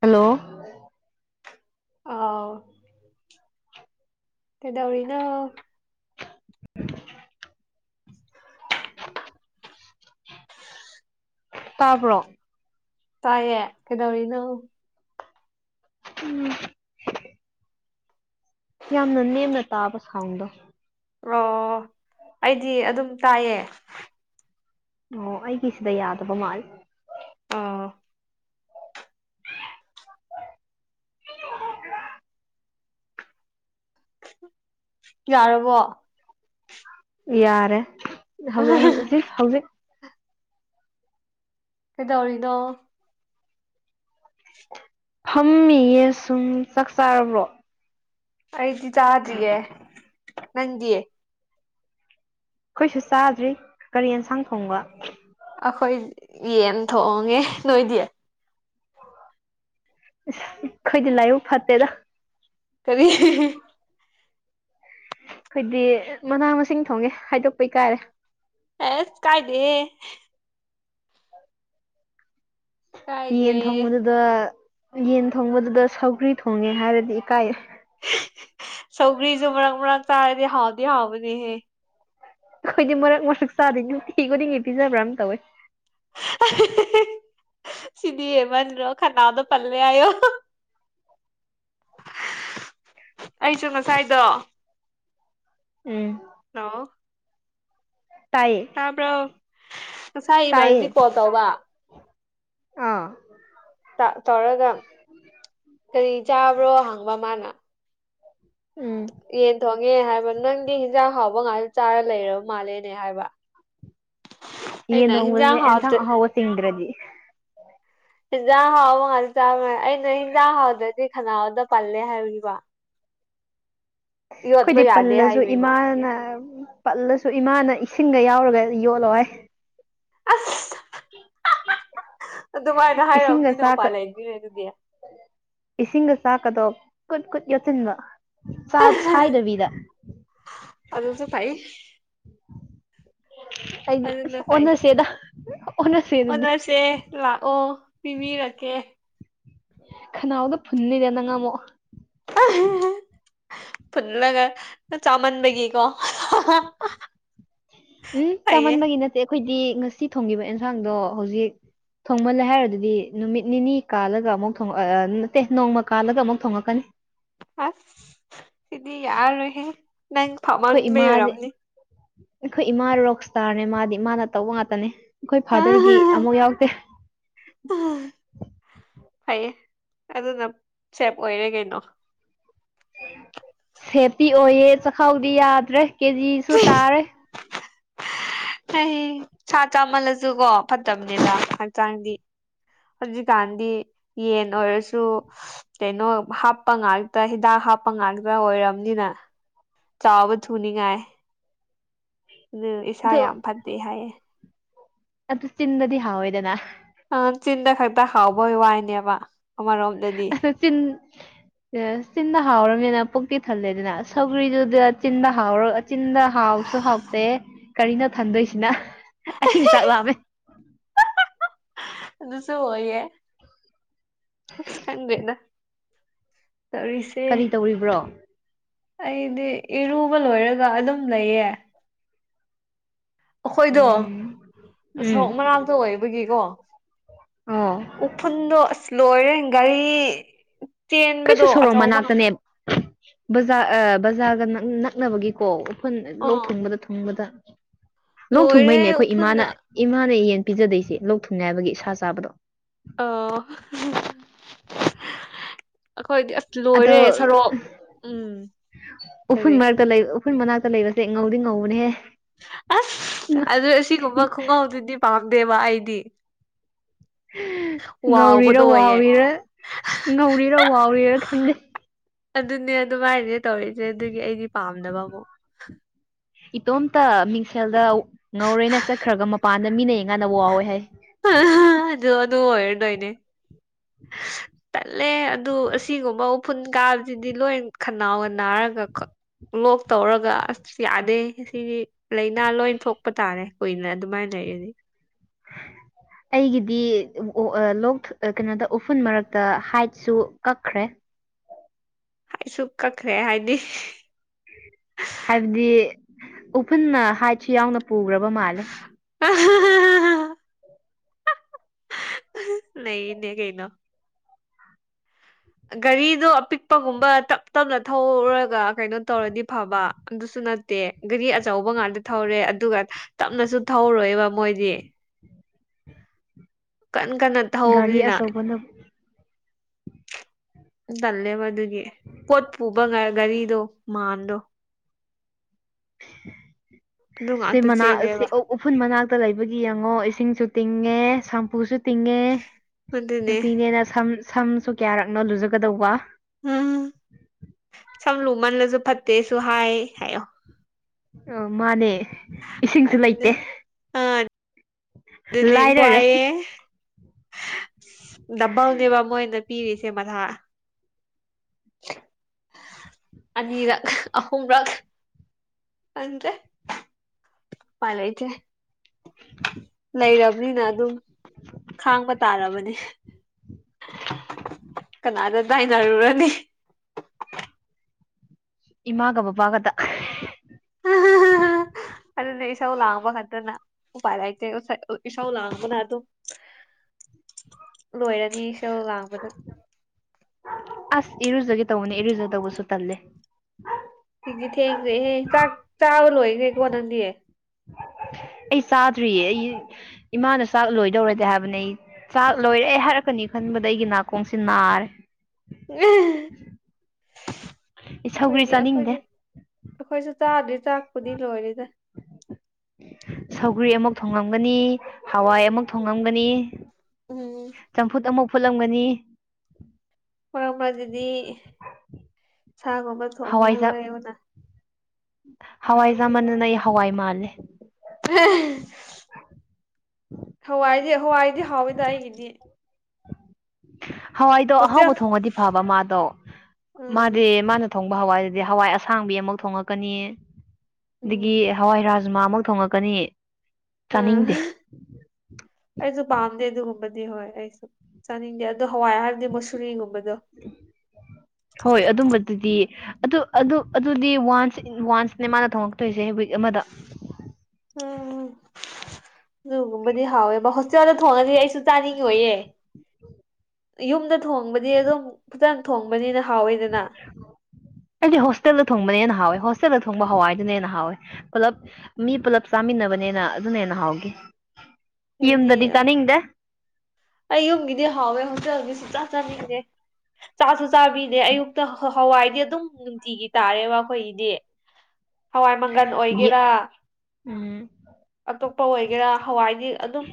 hello ꯑꯥꯎ ꯀꯩꯗꯧꯔꯤꯅꯣ ꯇꯥꯕ꯭ꯔꯣ ꯇꯥꯏꯌꯦ ꯀꯩꯗꯧꯔꯤꯅꯣ ꯎꯝ ꯌꯥꯝꯅ ꯅꯦꯝꯅ ꯇꯥꯕ ꯁꯥꯎꯗꯣ ꯑꯣ ꯑꯩꯗꯤ ꯑꯗꯨꯝ ꯇꯥꯏꯌꯦ ꯑꯣ ꯑꯩꯒꯤ ꯁꯤꯗ ꯌꯥꯗꯕ ꯃꯥꯜ ꯑꯥ ꯌꯥꯔꯕꯣ ꯌꯥꯔꯦ ꯍꯧꯖꯤꯛ ꯍꯧꯖꯤꯛ ꯀꯩꯗꯧꯔꯤꯅꯣ ꯐꯝꯃꯤꯌꯦ ꯁꯨꯝ ꯆꯥꯛ ꯆꯥꯔꯕ꯭ꯔꯣ ꯑꯩꯗꯤ ꯆꯥꯗ꯭ꯔꯤꯌꯦ ꯅꯪꯗꯤ ꯑꯩꯈꯣꯏꯁꯨ ꯆꯥꯗ꯭ꯔꯤ ꯀꯔꯤ ꯌꯦꯟꯁꯥꯡ ꯊꯣꯡꯕ ꯑꯩꯈꯣꯏ ꯌꯦꯟ ꯊꯣꯡꯉꯦ ꯅꯣꯏꯗꯤ ꯈꯣꯏꯗꯤ ꯂꯥꯏꯕꯛ ꯐꯠꯇꯦꯗ ꯀꯔꯤ ꯑꯩꯈꯣꯏꯗꯤ ꯃꯅꯥ ꯃꯁꯤꯡ ꯊꯣꯡꯉꯦ ꯍꯥꯏꯗꯣꯛꯄ ꯏꯀꯥꯏꯔꯦ ꯑꯦꯁ ꯀꯥꯏꯗꯦꯍꯦ ꯀꯥꯏꯗꯦ ꯌꯦꯟ ꯊꯣꯡꯕꯗꯨꯗ ꯌꯦꯟ ꯊꯣꯡꯕꯗꯨꯗ ꯁꯧꯒ꯭ꯔꯤ ꯊꯣꯡꯉꯦ ꯍꯥꯏꯔꯗꯤ ꯏꯀꯥꯏ ꯁꯧꯒ꯭ꯔꯤꯁꯨ ꯃꯔꯛ ꯃꯔꯛ ꯆꯥꯔꯗꯤ ꯍꯥꯎꯗꯤ ꯍꯥꯎꯕꯅꯦꯍꯦ ꯑꯩꯈꯣꯏꯗꯤ ꯃꯔꯛ ꯃꯔꯛ ꯆꯥꯗ ꯅꯨꯡꯇꯤ ꯈꯨꯗꯤꯡꯒꯤ ꯄꯤꯖꯕ꯭ꯔꯥ ꯑꯃ ꯇꯧꯋꯦ ꯁꯤꯗꯤ ꯍꯃꯟꯗꯔꯣ ꯈꯅꯥꯎꯗ ꯄꯜꯂꯦ ꯍꯥꯏꯣ ꯑꯩꯁꯨ ꯉꯁꯥꯏꯗꯣ ꯎꯝ ꯍꯂꯣ ꯇꯥꯏꯌꯦ ꯇꯥꯕ꯭ꯔꯣ ꯉꯁꯥꯏ ꯏꯃꯥꯅꯕꯤ ꯇꯥꯏꯌꯦ ꯀꯣꯜ ꯇꯧꯕ ꯑꯥ ꯆꯥꯛ ꯇꯧꯔꯒ ꯀꯔꯤ ꯆꯥꯕ꯭ꯔꯣ ꯍꯪꯕ ꯃꯥꯅ ꯎꯝ ꯌꯦꯟ ꯊꯣꯡꯉꯦ ꯍꯥꯏꯕ ꯅꯪꯗꯤ ꯍꯤꯟꯖꯥꯡ ꯍꯥꯎꯕ ꯉꯥꯏꯇ ꯆꯥꯔ ꯂꯩꯔꯕ ꯃꯥꯜꯂꯦꯅꯦ ꯍꯥꯏꯕ ꯑꯩꯅ ꯍꯤꯟꯖꯡ ꯍꯥꯎꯇ ꯇꯤꯡꯗ꯭ꯔꯗꯤ ꯍꯦꯟꯖꯥꯡ ꯍꯥꯎ ꯉꯥꯛꯇ ꯆꯥꯝ ꯑꯩꯅ ꯍꯦꯟꯖꯥꯡ ꯍꯥꯎꯗ꯭ꯔꯗꯤ ꯈꯅꯥꯎꯗ ꯄꯜꯂꯦ ꯍꯥꯏꯔꯤꯕ ꯑꯩꯈꯣꯏꯗꯤ ꯌꯥꯗꯦ ꯄꯜꯂꯁꯨ ꯍꯥꯏꯕꯤꯕ ꯏꯃꯥꯅ ꯄꯜꯂꯁꯨ ꯏꯃꯥꯅ ꯏꯁꯤꯡꯒ ꯌꯥꯎꯔꯒ ꯌꯣꯠꯂꯣ ꯍꯥꯏ ꯑꯁ ꯑꯗꯨꯃꯥꯏꯅ ꯏꯁꯤꯡꯒ ꯍꯥꯏꯔꯛꯑꯕꯅꯤꯅꯥ ꯆꯥꯛꯀ ꯎꯄꯥꯥꯏ ꯂꯩꯇꯔꯦꯅꯦ ꯑꯗꯨꯗꯤ ꯏꯁꯤꯡꯒ ꯆꯥꯛꯀꯗꯣ ꯀꯨꯠ ꯀꯨꯠ ꯌꯣꯠꯁꯤꯟꯕ ꯆꯥ ꯁꯥꯏꯗꯕꯤꯗ ꯑꯗꯨꯁꯨ ꯐꯩ [unintelligible] ꯑꯣꯟꯅꯁꯦ ꯑꯗꯨꯗꯤ ꯑꯣꯟꯅꯁꯦ ꯂꯥꯛꯑꯣ ꯄꯤꯕꯤꯔꯛꯀꯦ [unintelligible] ꯐꯨꯟꯂꯒ ꯆꯥꯃꯟꯕꯒꯤꯀꯣ ꯎꯝ ꯐꯩꯌꯦ ꯆꯥꯃꯟꯕꯒꯤ ꯅꯠꯇꯦ ꯑꯩꯈꯣꯏꯗꯤ ꯉꯁꯤ ꯊꯣꯡꯕ ꯑꯦꯟꯁꯥꯡꯗꯣ ꯍꯧꯖꯤꯛ ꯊꯣꯡꯃꯜꯂꯦ ꯍꯥꯏꯔꯗꯨꯗꯤ ꯅꯨꯃꯤꯠ ꯅꯤꯅꯤ ꯀꯥꯜꯂꯒ ꯑꯃꯨꯛ ꯊꯣꯡꯉꯛ ꯅꯠꯇꯦ ꯅꯣꯡꯃ ꯀꯥꯜꯂꯒ ꯑꯃꯨꯛ ꯊꯣꯡꯉꯛꯀꯅꯤ ꯑꯁ ꯁꯤꯗꯤ ꯌꯥꯔꯣꯏ ꯍꯦ ꯅꯪ [unintelligible] ꯐꯥꯎꯃꯟꯕꯩ ꯑꯣꯏꯔꯝꯅꯤ ꯑꯩꯈꯣꯏ ꯐꯥꯗꯔꯒꯤ ꯑꯃꯨꯛ ꯌꯥꯎꯗꯦ [unintelligible] ꯐꯩꯌꯦ ꯑꯗꯨꯅ ꯁꯦꯞ ꯑꯣꯏꯔꯦ ꯀꯩꯅꯣ ꯁꯦꯞꯇꯤ ꯑꯣꯏꯌꯦ ꯆꯈꯥꯎꯗꯤ ꯌꯥꯗ꯭ꯔꯦ ꯀꯦꯖꯤꯁꯨ ꯇꯥꯔꯦ ꯁꯥ ꯆꯥꯃꯜꯂꯁꯨ ꯀꯣ ꯐꯠꯇꯕꯅꯤꯗ ꯍꯛꯆꯥꯡꯗꯤ ꯍꯧꯖꯤꯛꯀꯥꯟꯗꯤ ꯌꯦꯟ ꯑꯣꯏꯔꯁꯨ ꯀꯩꯅꯣ ꯍꯥꯞꯄ ꯉꯥꯛꯇ ꯍꯤꯗꯥꯛ ꯍꯥꯞꯄ ꯉꯥꯛꯇ ꯑꯣꯏꯔꯝꯅꯤꯅ ꯆꯥꯎꯕ ꯊꯨꯅꯤꯡꯉꯥꯏ ꯑꯗꯨ ꯏꯁꯥ ꯌꯥꯝ ꯐꯠꯇꯦ ꯍꯥꯏꯌꯦ ꯑꯗꯨ ꯆꯤꯟꯗꯗꯤ ꯍꯥꯎꯋꯦꯗꯅ ꯑꯪ ꯆꯤꯟꯗ ꯈꯛꯇ ꯍꯥꯎꯕꯩ ꯋꯥꯅꯦꯕ ꯑꯃꯔꯣꯝꯗꯗꯤ ꯆꯤꯟ ꯆꯤꯟꯕ ꯍꯥꯎꯔꯕꯅꯤꯅ ꯄꯨꯛꯇꯤ ꯊꯜꯂꯦꯗꯅ ꯁꯧꯒ꯭ꯔꯤꯗꯨꯗ ꯆꯤꯟꯗ ꯍꯥꯎꯔꯒ ꯆꯤꯟꯗ ꯍꯥꯎꯁꯨ ꯍꯥꯎꯇꯦ ꯀꯔꯤꯅꯣ ꯊꯟꯗꯣꯏꯁꯤꯅ ꯑꯍꯤꯡ ꯆꯥꯛ ꯂꯥꯝꯃꯦ ꯑꯗꯨꯁꯨ ꯑꯣꯏꯌꯦ ꯑꯁ ꯈꯪꯗꯦꯗ ꯇꯧꯔꯤꯁꯦ ꯀꯔꯤ ꯇꯧꯔꯤꯕ꯭ꯔꯣ ꯑꯩꯗꯤ ꯏꯔꯨꯕ ꯂꯣꯏꯔꯒ ꯑꯗꯨꯝ ꯂꯩꯌꯦ ꯑꯩꯈꯣꯏꯗꯣ ꯎꯝ ꯎꯝ ꯁꯣꯔꯣꯛ ꯃꯅꯥꯛꯇ ꯑꯣꯏꯕꯒꯤꯀꯣ ꯑꯣ ꯎꯐꯨꯜꯗꯣ ꯑꯁ ꯂꯣꯏꯔꯦ ꯒꯥꯔꯤ ꯑꯩꯈꯣꯏꯁꯨ ꯆꯦꯟꯕꯗꯣ ꯁꯣꯔꯣꯛ ꯑꯆꯧꯕ ꯃꯅꯥꯛꯇꯅꯦ ꯕꯖꯥꯔ ꯑ ꯕꯖꯥꯔꯒ ꯅꯛꯅꯕꯒꯤꯀꯣ ꯎꯐꯨꯟ ꯂꯣꯛ ꯑꯥ ꯊꯨꯡꯕꯗ ꯊꯨꯡꯕꯗ ꯂꯣꯛ ꯂꯣꯏꯔꯦ ꯊꯨꯡꯕꯩꯅꯦ ꯑꯩꯈꯣꯏ ꯎꯐꯨꯟꯅ ꯏꯃꯥꯅ ꯏꯃꯥꯅ ꯌꯦꯟ ꯄꯤꯖꯗꯣꯏꯁꯦ ꯂꯣꯛ ꯊꯨꯡꯅꯤ ꯍꯥꯏꯕꯒꯤ ꯁꯥ ꯆꯥꯕꯗꯣ ꯑꯣ ꯑꯩꯈꯣꯏꯗꯤ ꯑꯁ ꯑꯗꯣ ꯂꯣꯏꯔꯦ ꯁꯣꯔꯣꯛ ꯎꯝ ꯀꯔꯤ ꯎꯈꯨꯜ ꯃꯅꯥꯛꯇ ꯂꯩꯕꯁꯦ ꯉꯧꯗꯤ ꯉꯧꯕꯅꯦꯍꯦ ꯑꯁ ꯑꯗꯨ ꯑꯁꯤꯒꯨꯝꯕ ꯈꯨꯡꯒꯧꯗꯨꯗꯤ ꯄꯥꯝꯗꯦꯕ ꯑꯩꯗꯤ ꯉꯧꯔꯤꯔ ꯋꯥꯎꯕꯗꯣ ꯑꯣꯏꯌꯦ ꯋꯥꯎꯔꯤꯔ ꯉꯧꯔꯤꯔ ꯋꯥꯎꯔꯤꯔ ꯈꯪꯗꯦ ꯑꯗꯨꯅꯦ ꯑꯗꯨꯃꯥꯏꯅꯦ ꯇꯧꯔꯤꯁꯦ ꯑꯗꯨꯒꯤ ꯑꯩꯗꯤ ꯄꯥꯝꯗꯕ ꯑꯃꯨꯛ [inaudible] ꯏꯇꯣꯝꯇ ꯃꯤꯡꯁꯦꯜꯗ ꯉꯧꯔꯦꯅ ꯆꯠꯈ꯭ꯔꯒ ꯃꯄꯥꯟꯗ ꯃꯤꯅ ꯌꯦꯡꯉꯀꯥꯟꯗ ꯋꯥꯎꯋꯦꯅ ꯍꯥꯏ ꯑꯗꯨ ꯑꯗꯨ ꯑꯣꯏꯔꯗꯣꯏꯅꯦ ꯇꯟꯂꯦ ꯑꯗꯨ ꯑꯁꯤꯒꯨꯝꯕ ꯎꯐꯨꯟ ꯀꯥꯕꯁꯤꯗꯤ ꯂꯣꯏ ꯈꯅꯥꯎꯒ ꯅꯥꯔꯒꯀꯣ ꯂꯣꯛ ꯇꯧꯔꯒ ꯑꯁ ꯌꯥꯗꯦ ꯁꯤꯗꯤ ꯂꯥꯏꯅꯥ ꯂꯣꯏ ꯊꯣꯛꯄ ꯇꯥꯔꯦ ꯀꯨꯏꯅ ꯑꯗꯨꯃꯥꯏꯅ ꯂꯩꯔꯗꯤ ꯑꯩꯒꯤꯗꯤ ꯑ ꯂꯣꯛ ꯀꯩꯅꯣꯗ ꯎꯐꯨꯟ ꯃꯔꯛꯇ ꯍꯥꯏꯠꯁꯨ ꯀꯛꯈ꯭ꯔꯦ [unintelligible] ꯀꯛꯈ꯭ꯔꯦ ꯍꯥꯏꯗꯤ ꯍꯥꯏꯕꯗꯤ ꯎꯐꯨꯟꯅ ꯍꯥꯏꯠꯁꯨ ꯌꯥꯎꯅ ꯄꯨꯈ꯭ꯔꯕ ꯃꯥꯜꯂꯦ ꯅꯩꯅꯦ ꯀꯩꯅꯣ ꯒꯥꯔꯤꯗꯣ ꯑꯄꯤꯛꯄꯒꯨꯝꯕ ꯇꯞ ꯇꯞꯅ ꯊꯧꯔꯒ ꯀꯩꯅꯣ ꯇꯧꯔꯗꯤ ꯐꯕ ꯑꯗꯨꯁꯨ ꯅꯠꯇꯦ ꯒꯥꯔꯤ ꯑꯆꯧꯕ ꯉꯥꯛꯇ ꯊꯧꯔꯦ ꯑꯗꯨꯒ ꯇꯞꯅꯁꯨ ꯊꯧꯔꯣꯏꯕ ꯃꯣꯏꯗꯤ ꯀꯟ ꯀꯟꯅ ꯒꯥꯔꯤ ꯊꯧꯕꯅꯤꯅ ꯑꯆꯧꯕꯅ ꯇꯜꯂꯦꯕ ꯑꯗꯨꯒꯤ ꯄꯣꯠ ꯄꯨꯕ ꯒꯥꯔꯤꯗꯣ ꯃꯥꯟꯗꯣ ꯑꯗꯨ ꯁꯤ ꯉꯥꯛꯇ ꯃꯅꯥ ꯁꯤ ꯆꯦꯜꯂꯦꯕ ꯑꯣꯛ ꯎꯐꯨꯜ ꯃꯅꯥꯛꯇ ꯂꯩꯕꯒꯤ ꯌꯦꯡꯉꯣ ꯏꯁꯤꯡꯁꯨ ꯇꯤꯡꯉꯦ ꯁꯝꯄꯨꯁꯨ ꯇꯤꯡꯉꯦ ꯑꯗꯨꯅꯦ ꯅꯨꯄꯤꯅꯦꯅ ꯁꯝ ꯁꯝꯁꯨ ꯀꯌꯥꯔꯛꯅꯣ ꯂꯨꯖꯒꯗꯧꯕ ꯎꯝ ꯁꯝ ꯂꯨꯃꯜꯂꯁꯨ ꯐꯠꯇꯦꯁꯨ ꯍꯥꯏ ꯍꯥꯏꯌꯣ ꯑ ꯃꯥꯅꯦ ꯏꯁꯤꯡꯁꯨ ꯑꯗꯨꯅꯦ ꯂꯩꯇꯦ ꯑꯥ ꯑꯗꯨꯅꯦ ꯂꯥꯏꯔꯔꯦ ꯋꯥꯏꯌꯦ ꯗꯕꯜꯅꯦꯕ ꯃꯣꯏꯗ ꯄꯤꯔꯤꯁꯦ ꯃꯊꯥ ꯑꯅꯤꯔꯛ ꯑꯍꯨꯝꯔꯛ ꯈꯪꯗ꯭ꯔꯦ ꯎꯄꯥꯏ ꯂꯩꯇꯦ ꯂꯩꯔꯕꯅꯤꯅ ꯑꯗꯨꯝ ꯈꯥꯡꯕ ꯇꯥꯔꯕꯅꯤ ꯀꯅꯥꯗ ꯇꯥꯏꯅꯔꯨꯔꯅꯤ ꯏꯃꯥꯒ ꯕꯕꯥꯒꯗ ꯑꯗꯨꯅꯦ ꯏꯁꯧ ꯂꯥꯡꯕ ꯈꯛꯇꯅ ꯎꯄꯥꯏ ꯂꯩꯇꯦ ꯎꯁꯩ ꯏꯁꯧ ꯂꯥꯡꯕꯅ ꯑꯗꯨꯝ ꯂꯣꯏꯔꯦ ꯏꯁꯧꯂꯥꯡꯕꯗ ꯑꯁ ꯏꯔꯨꯖꯒꯦ ꯇꯧꯕꯅꯦ ꯏꯔꯨꯖꯗꯧꯕꯁꯨ ꯇꯜꯂꯦ ꯊꯦꯡꯗꯤ ꯊꯦꯡꯈ꯭ꯔꯦꯍꯦ ꯆꯥꯛ ꯆꯥꯕ ꯂꯣꯏꯈ꯭ꯔꯦꯀꯣ ꯅꯪꯗꯤ ꯑꯩ ꯆꯥꯗ꯭ꯔꯤꯌꯦ ꯑꯩ ꯏꯃꯥꯅ ꯆꯥꯛ ꯂꯣꯏꯗꯧꯔꯦꯗꯤ ꯍꯥꯏꯕꯅꯦ ꯑꯩ ꯆꯥꯛ ꯂꯣꯏꯔꯦ ꯍꯥꯏꯔꯛꯀꯅꯤ ꯈꯟꯕꯗ ꯑꯩꯒꯤ ꯅꯥꯀꯣꯡꯁꯦ ꯅꯥꯔꯦ ꯑꯩ ꯁꯧꯒ꯭ꯔꯤ ꯑꯩꯈꯣꯏꯗꯤ ꯆꯥꯅꯤꯡꯗꯦ ꯑꯩꯈꯣꯏꯗꯤ ꯑꯩꯈꯣꯏꯁꯨ ꯆꯥꯗ꯭ꯔꯤ ꯆꯥꯛꯄꯨꯗꯤ ꯂꯣꯏꯔꯦꯗ ꯁꯧꯒ꯭ꯔꯤ ꯑꯃꯨꯛ ꯊꯣꯉꯝꯒꯅꯤ ꯍꯋꯥꯏ ꯑꯃꯨꯛ ꯊꯣꯡꯉꯝꯒꯅꯤ ꯎꯝ ꯆꯝꯐꯨꯠ ꯑꯃꯨꯛ ꯐꯨꯠꯂꯝꯒꯅꯤ ꯃꯔꯥꯛ ꯃꯔꯥꯛꯗꯗꯤ ꯁꯥꯒꯨꯝꯕ ꯊꯣꯡꯕꯤꯌꯨ ꯍꯋꯥꯏꯖꯥꯛ ꯍꯥꯏꯌꯣꯅ ꯍꯋꯥꯏ ꯆꯃꯟꯗꯅ ꯑꯩ ꯍꯋꯥꯏ ꯃꯥꯜꯂꯦ ꯍꯋꯥꯏꯗꯤ ꯍꯋꯥꯏꯗꯤ ꯍꯥꯎꯋꯤꯗ ꯑꯩꯒꯤꯗꯤ ꯍꯋꯥꯏꯗꯣ ꯍꯣꯁꯇꯦꯜ ꯑꯍꯥꯎꯕ ꯊꯣꯡꯉꯗꯤ ꯐꯕ ꯃꯥꯗꯣ ꯎꯝ ꯃꯥꯗꯤ ꯃꯥꯅ ꯊꯣꯡꯕ ꯍꯋꯥꯏꯗꯨꯗꯤ ꯍꯋꯥꯏ ꯑꯁꯥꯡꯕꯤ ꯑꯃꯨꯛ ꯊꯣꯡꯉꯛꯀꯅꯤ ꯎꯝ ꯑꯗꯒꯤ ꯍꯋꯥꯏ ꯔꯥꯖꯃꯥ ꯑꯃꯨꯛ ꯊꯣꯡꯉꯛꯀꯅꯤ ꯎꯝ ꯆꯥꯅꯤꯡꯗꯦ ꯑꯩꯁꯨ ꯄꯥꯝꯗꯦ ꯑꯗꯨꯒꯨꯝꯕꯗꯤ ꯍꯣꯏ ꯑꯩꯁꯨ ꯆꯥꯅꯤꯡꯗꯦ ꯑꯗꯣ ꯍꯋꯥꯏ ꯍꯥꯏꯕꯗꯤ ꯃꯨꯁꯨꯔꯤꯒꯨꯝꯕꯗꯣ [inaudible] ꯍꯣꯏ ꯑꯗꯨꯝꯕꯗꯨꯗꯤ ꯑꯗꯨ ꯑꯗꯨ ꯑꯗꯨꯗꯤ ꯋꯥꯟꯁ ꯋꯥꯟꯁꯅꯦ ꯃꯥꯅ ꯊꯣꯡꯉꯛꯇꯣꯏꯁꯦ ꯋꯤꯛ ꯑꯃꯗ ꯎꯝ ꯑꯗꯨꯒꯨꯝꯕꯗꯤ ꯍꯥꯎꯋꯦ ꯕ ꯍꯣꯁꯇꯦꯜꯗ ꯊꯣꯡꯉꯗꯤ ꯑꯩꯁꯨ ꯆꯥꯅꯤꯡꯉꯣꯏꯌꯦ ꯌꯨꯝꯗ ꯊꯣꯡꯕꯗꯤ ꯑꯗꯨꯝ ꯈꯤꯇꯪ ꯊꯣꯡꯕꯅꯤꯅ ꯍꯥꯎꯋꯤꯗꯅ ꯑꯩꯗꯤ ꯍꯣꯁꯇꯦꯜꯗ ꯊꯣꯡꯕꯅ ꯍꯥꯎꯋꯦ ꯍꯣꯁꯇꯦꯜꯗ ꯊꯣꯡꯕ ꯍꯋꯥꯏꯗꯨꯅꯦꯅ ꯍꯥꯎꯋꯦ ꯄꯨꯂꯞ ꯃꯤ ꯄꯨꯜꯂꯞ ꯆꯥꯃꯤꯟꯅꯕꯅꯦꯅ ꯑꯗꯨꯅ ꯍꯦꯟꯅ ꯍꯥꯎꯈꯤ ꯑꯩꯗꯤ ꯌꯨꯝꯗꯗꯤ ꯆꯥꯅꯤꯡꯗꯦ ꯑꯩ ꯌꯨꯝꯒꯤꯗꯤ ꯍꯥꯎꯋꯦ ꯍꯣꯇꯦꯜꯒꯤ ꯁꯨꯡꯆꯥ ꯆꯥꯅꯤꯡꯗꯦ ꯆꯥꯁꯨ ꯆꯥꯕꯤꯗꯦ ꯑꯌꯨꯛꯇ ꯍ ꯍꯋꯥꯏꯗꯤ ꯑꯗꯨꯝ ꯅꯨꯡꯇꯤꯒꯤ ꯇꯥꯔꯦꯕ ꯑꯩꯈꯣꯏꯒꯤꯗꯤ ꯍꯋꯥꯏ ꯃꯪꯒꯜ ꯌꯦ ꯑꯣꯏꯒꯦꯔꯥ ꯎꯝ ꯑꯇꯣꯞꯄ ꯑꯣꯏꯒꯦꯔꯥ ꯍꯋꯥꯏꯗꯤ ꯑꯗꯨꯝ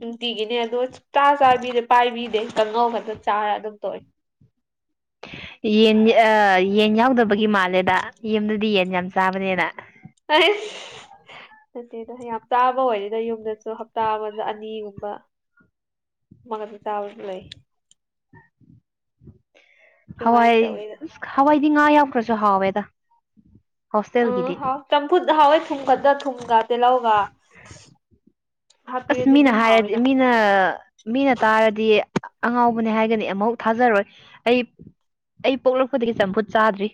ꯅꯨꯡꯇꯤ ꯒꯤꯅꯦ ꯑꯗꯣ ꯁꯨꯛꯆꯥ ꯆꯥꯕꯤꯗꯦ ꯄꯥꯏꯕꯤꯗꯦ ꯀꯥꯡꯉꯧ ꯈꯛꯇ ꯆꯥꯔ ꯑꯗꯨꯝ ꯇꯣꯛꯏ ꯌꯦꯟ ꯑ ꯌꯦꯟ ꯌꯥꯎꯗꯕꯒꯤ ꯃꯥꯜꯂꯦꯗ ꯌꯨꯝꯗꯗꯤ ꯌꯦꯟ ꯌꯥꯝ ꯆꯥꯕꯅꯦꯅ [unintelligible] ꯅꯠꯇꯦꯗ ꯌꯥꯝ ꯆꯥꯕ ꯑꯣꯏꯗꯦꯗ ꯌꯨꯝꯗꯁꯨ ꯍꯞꯇꯥ ꯑꯃꯗ ꯑꯅꯤꯒꯨꯝꯕ ꯑꯃꯈꯠꯇ ꯆꯥꯕꯁꯨ ꯂꯩ ꯁꯨꯃꯥꯏꯅ ꯍꯋꯥꯏ ꯇꯧꯋꯦꯗ ꯍꯋꯥꯏꯗꯤ ꯉꯥ ꯌꯥꯎꯈ꯭ꯔꯁꯨ ꯍꯥꯋꯦꯗ ꯎꯝ ꯍꯥꯎ ꯆꯝꯐꯨꯠ ꯍꯥꯎꯋꯦ ꯊꯨꯝ ꯈꯛꯇ ꯊꯨꯝꯒ ꯇꯤꯜꯍꯧꯒ ꯑꯁ ꯍꯥꯞꯄꯤꯔꯗꯤ ꯃꯤꯅ ꯑꯗꯨꯝ ꯍꯥꯏꯔꯗꯤ ꯍꯥꯎꯋꯦꯗ ꯃꯤꯅ ꯅ ꯃꯤꯅ ꯇꯥꯔꯗꯤ ꯑꯉꯥꯎꯕꯅꯦ ꯍꯥꯏꯒꯅꯤ ꯑꯃꯨꯛ ꯊꯥꯖꯔꯣꯏ ꯑꯩ ꯑꯩ ꯄꯣꯛꯂꯛꯄꯗꯒꯤ ꯆꯝꯐꯨꯠ ꯆꯥꯗ꯭ꯔꯤ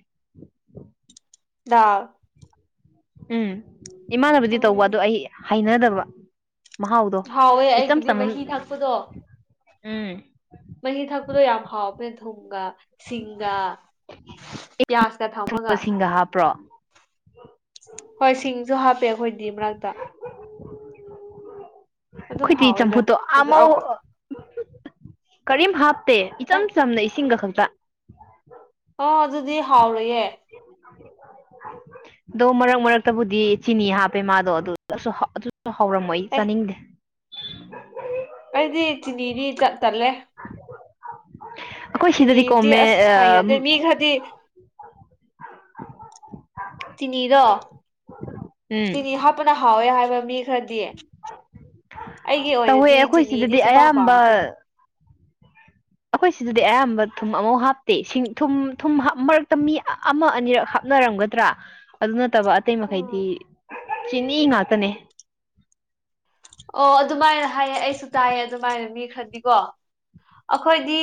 ꯗꯥꯜ ꯎꯝ ꯏꯃꯥꯟꯅꯕꯨꯗꯤ ꯇꯧꯕ ꯎꯝ ꯑꯗꯨ ꯑꯩ ꯍꯩꯅꯗꯕ ꯃꯍꯥꯎꯗꯣ ꯍꯥꯎꯋꯦ ꯏꯆꯝ ꯑꯩꯒꯤꯗꯤ ꯆꯝꯃ ꯎꯝ ꯃꯍꯤ ꯊꯛꯄꯗꯣ ꯃꯍꯤ ꯊꯛꯄꯗꯣ ꯌꯥꯝ ꯍꯥꯎꯕꯅꯦ ꯊꯨꯝꯒ ꯁꯤꯡꯒ ꯄꯤꯌꯥꯁꯀ ꯊ ꯊꯨꯝꯒ ꯁꯤꯡꯒ ꯍꯥꯞꯄ꯭ꯔꯣ ꯍꯣꯏ ꯁꯤꯡꯁꯨ ꯍꯥꯞꯄꯦ ꯑꯩꯈꯣꯏꯗꯤ ꯃꯔꯛꯇ ꯑꯗꯨꯝ ꯈꯣꯏꯗꯤ ꯍꯥꯎꯋꯦꯗ ꯆꯝꯐꯨꯠꯇꯣ ꯑꯗꯨ ꯑꯃꯨꯛ ꯑꯩꯈꯣꯏ ꯀꯔꯤꯝ ꯍꯥꯞꯇꯦ ꯅꯪ ꯏꯆꯝ ꯆꯝꯅ ꯏꯁꯤꯡꯒ ꯈꯛꯇ ꯑ ꯑꯗꯨꯗꯤ ꯍꯥꯎꯔꯣꯏꯌꯦ ꯗꯣ ꯃꯔꯛ ꯃꯔꯛꯇꯕꯨꯗꯤ ꯆꯤꯅꯤ ꯍꯥꯞꯄꯦ ꯃꯥꯗꯣ [inaudible] ꯑꯗꯨ ꯍꯥꯎꯔꯝꯃꯣꯏ ꯑꯦ ꯆꯥꯅꯤꯡꯗꯦ ꯑꯩꯗꯤ ꯆꯤꯅꯤꯗꯤ ꯆꯠ ꯇꯜꯂꯦ ꯑꯩꯈꯣꯏ ꯁꯤꯗꯗꯤꯀꯣ ꯆꯤꯅꯤꯗꯤ ꯃꯦ ꯑꯁ ꯍꯩꯅꯗꯦ ꯃꯤ ꯈꯔꯗꯤ ꯆꯤꯅꯤꯗꯣ ꯎꯝ ꯆꯤꯅꯤ ꯍꯥꯞꯄꯅ ꯍꯥꯎꯋꯦ ꯍꯥꯏꯕ ꯃꯤ ꯈꯔꯗꯤ ꯑꯩꯒꯤ ꯇꯧꯋꯦ ꯑꯣꯏꯅꯗꯤ ꯑꯩꯈꯣꯏ ꯆꯤꯅꯤꯗꯤ ꯁꯤꯗꯗꯤ ꯁꯨꯛꯄꯥꯝ ꯑꯌꯥꯝꯕ ꯄꯥꯝꯗ꯭ꯔꯦ ꯑꯩꯈꯣꯏ ꯁꯤꯗꯗꯤ ꯑꯌꯥꯝꯕ ꯊꯨꯝ ꯑꯝꯐꯥꯎ ꯍꯥꯞꯇꯦ ꯁꯤꯡ ꯊꯨꯝ ꯊꯨꯝ ꯍꯥꯞ ꯃꯔꯛꯇ ꯃꯤ ꯑꯃ ꯑꯅꯤꯔꯛ ꯍꯥꯞ ꯅꯔꯝꯒꯗ꯭ꯔꯥ ꯑꯗꯨ ꯅꯠꯇꯕ ꯑꯇꯩ ꯎꯝ ꯃꯈꯩꯗꯤ ꯆꯤꯅꯤ ꯉꯥꯛꯇꯅꯦ ꯑꯣ ꯑꯗꯨꯃꯥꯏꯅ ꯍꯥꯏꯌꯦ ꯑꯩꯁꯨ ꯇꯥꯏꯌꯦ ꯑꯗꯨꯃꯥꯏꯅ ꯃꯤ ꯈꯔꯗꯤꯀꯣ ꯑꯩꯈꯣꯏꯗꯤ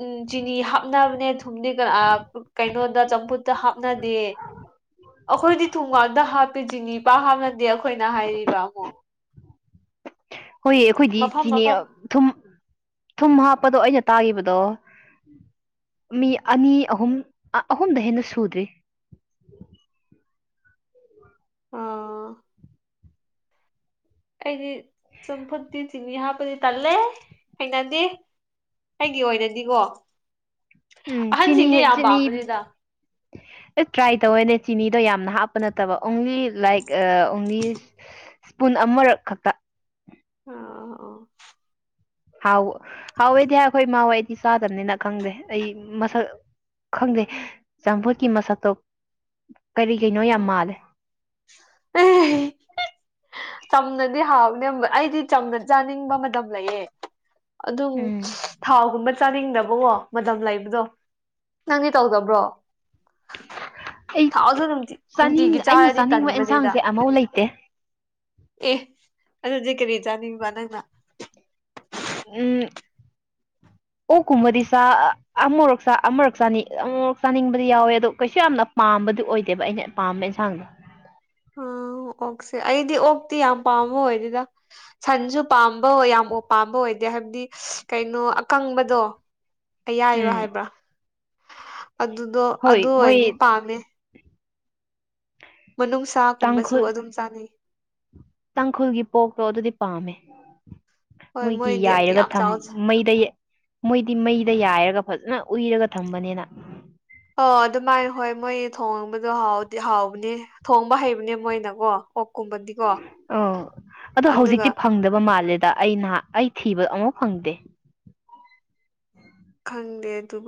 ꯎꯝ ꯆꯤꯅꯤ ꯍꯥꯞꯅꯕꯅꯦ ꯊꯨꯝꯗꯤ ꯀꯅꯥ ꯑꯥ ꯀꯩꯅꯣꯗ ꯆꯝꯐꯨꯠ ꯇ ꯍꯥꯞꯅꯗꯦ ꯑꯩꯈꯣꯏꯗꯤ ꯊꯨꯝꯉꯥꯛꯗ ꯍꯥꯞꯄꯦ ꯆꯤꯅꯤ ꯄꯥꯛ ꯍꯥꯞꯅꯗꯦ ꯑꯩꯈꯣꯏꯅ ꯍꯥꯏꯔꯤꯕ ꯑꯃꯨꯛ ꯍꯣꯏꯌꯦ ꯑꯩꯈꯣꯏꯗꯤ ꯃꯐꯝ ꯆꯤꯅꯤ ꯃꯐꯝ ꯊꯨꯝ ꯊꯨꯝ ꯍꯥꯞꯄꯗꯣ ꯑꯩꯅ ꯇꯥꯈꯤꯕꯗꯣ ꯃꯤ ꯑꯅꯤ ꯑꯍꯨꯝ ꯑ ꯑꯍꯨꯝꯗꯩ ꯍꯦꯟꯅ ꯁꯨꯗ꯭ꯔꯤ ꯑꯥ ꯑꯩꯗꯤ ꯆꯝꯐꯨꯠꯇꯤ ꯆꯤꯅꯤ ꯍꯥꯞꯄꯗꯤ ꯇꯜꯂꯦ ꯍꯩꯅꯗꯦ ꯑꯩꯒꯤ ꯑꯣꯏꯅꯗꯤꯀꯣ ꯎꯝ ꯑꯍꯟꯁꯤꯡꯗꯤ ꯆꯤꯅꯤ ꯌꯥꯝ ꯄꯥꯝꯕꯅꯦꯗ ꯑꯦ ꯇ꯭ꯔꯥꯏ ꯇꯧꯋꯦꯅꯦ ꯆꯤꯅꯤꯗꯣ ꯌꯥꯝꯅ ꯍꯥꯞꯄ ꯅꯠꯇꯕ ꯑꯣꯡꯂꯤ ꯂꯥꯏꯛ ꯑ ꯑꯣꯡꯂꯤ ꯄꯨꯟ ꯑꯃꯔꯛ ꯈꯛꯇ ꯑꯥ ꯑꯣ ꯍꯥꯎ‌ ꯍꯥꯎꯋꯦꯗꯤ ꯍꯥꯏ ꯑꯩꯈꯣꯏ ꯏꯃꯥ ꯍꯣꯏꯗꯤ ꯆꯥꯗꯕꯅꯤꯅ ꯈꯪꯗꯦ ꯑꯩ ꯃꯁꯛ ꯈꯪꯗꯦ ꯆꯝꯐꯨꯠꯀꯤ ꯃꯁꯛꯇꯣ ꯀꯔꯤ ꯀꯩꯅꯣ ꯌꯥꯝ ꯃꯥꯜꯂꯦ [inaudible] ꯆꯝꯅꯗꯤ ꯍꯥꯎꯕꯅꯦ ꯑꯩꯗꯤ ꯆꯝꯅ ꯆꯥꯅꯤꯡꯕ ꯃꯇꯝ ꯂꯩꯌꯦ ꯑꯗꯨꯝ ꯎꯝ ꯊꯥꯎꯒꯨꯝꯕ ꯆꯥꯅꯤꯡꯗꯕꯀꯣ ꯃꯇꯝ ꯂꯩꯕꯗꯣ ꯅꯪꯗꯤ ꯇꯧꯗꯕ꯭ꯔꯣ ꯑꯩ ꯊꯥꯎꯁꯨ ꯅꯨꯡꯇꯤ ꯆꯥꯅꯤꯡ ꯅꯨꯡꯇꯤꯒꯤ ꯑꯩꯅ ꯆꯥꯔꯗꯤ ꯆꯥꯅꯤꯡꯕ ꯇꯟꯕꯅꯦꯗ ꯑꯦꯟꯁꯥꯡꯁꯦ ꯑꯃꯧ ꯂꯩꯇꯦ ꯑꯦ ꯑꯗꯨꯗꯤ ꯀꯔꯤ ꯆꯥꯅꯤꯡꯕ ꯅꯪꯅ ꯎꯝ [inaudible] ꯑꯣꯛ ꯀꯨꯝꯕꯗꯤ ꯆꯥ ꯑꯃꯨꯔꯛ ꯆꯥ ꯑꯃꯔꯛ ꯆꯥꯅꯤ ꯑꯃꯨꯔꯛ ꯆꯥꯅꯤꯡꯕꯗꯤ ꯌꯥꯎꯋꯦ ꯑꯗꯣ ꯀꯩꯁꯨ ꯌꯥꯝꯅ ꯄꯥꯝꯕꯗꯤ ꯑꯣꯏꯗꯦꯕ ꯑꯩꯅ ꯄꯥꯝꯕ ꯏꯟꯁꯥꯡꯗꯣ ꯑꯣ ꯑꯣꯛꯁꯦ ꯑꯩꯗꯤ ꯑꯣꯛꯇꯤ ꯌꯥꯝ ꯄꯥꯝꯕ ꯑꯣꯏꯗꯦꯗ ꯁꯟꯁꯨ ꯄꯥꯝꯕ ꯌꯥꯝ ꯑꯣ ꯄꯥꯝꯕ ꯑꯣꯏꯗꯦ ꯍꯥꯏꯕꯗꯤ ꯀꯩꯅꯣ ꯑꯀꯪꯕꯗꯣ ꯑꯌꯥꯏꯕ ꯎꯝ ꯍꯥꯏꯕ꯭ꯔꯥ ꯑꯗꯨꯗꯣ ꯑꯗꯨ ꯍꯣꯏ ꯃꯣꯏ ꯑꫭꯏꯅꯗꯤ ꯄꯥꯝꯃꯦ ꯃꯅꯨꯡꯁꯥ ꯒꯨꯝꯕꯁꯨ ꯇꯥꯡꯈꯨꯜ ꯑꯗꯨꯝ ꯆꯥꯅꯤꯡꯉꯤ ꯇꯥꯡꯈꯨꯜꯒꯤ ꯄꯣꯔꯛꯇꯣ ꯑꯗꯨꯗꯤ ꯄꯥꯝꯃꯦ ꯍꯣꯏ ꯃꯣꯏꯒꯤ ꯃꯣꯏꯗꯤ ꯌꯥꯏꯔꯒ ꯌꯥꯝ ꯊꯝ ꯆꯥꯎ ꯃꯩꯗ ꯃꯣꯏꯗꯤ ꯃꯩꯗ ꯌꯥꯏꯔꯒ ꯐꯖꯅ ꯎꯏꯔꯒ ꯊꯝꯕꯅꯤꯅ ꯑꯣ ꯑꯗꯨꯃꯥꯏꯅ ꯍꯣꯏ ꯃꯣꯏꯒꯤ ꯊꯣꯡꯕꯗꯣ ꯍꯥꯎꯗꯤ ꯍꯥꯎꯕꯅꯦ ꯊꯣꯡꯕ ꯍꯩꯕꯅꯦ ꯃꯣꯏꯅꯀꯣ ꯑꯣꯛ ꯀꯨꯝꯕꯗꯤ ꯑꯣ ꯑꯗꯣ ꯍꯧꯖꯤꯛꯇꯤ ꯐꯪꯗꯕ ꯃꯥꯜꯂꯦꯗ ꯑꯩ ꯅꯍ ꯑꯩ ꯊꯤꯕ ꯑꯃꯨꯛ ꯐꯪꯗꯦ ꯈꯪꯗꯦ ꯑꯗꯨꯕꯨ